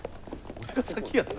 俺が先やぞ。